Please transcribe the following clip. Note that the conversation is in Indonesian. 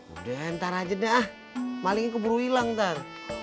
udah ntar aja deh ah maling keburu hilang ntar